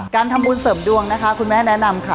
การทำบุญเสริมดวงนะคะคุณแม่แนะนำค่ะ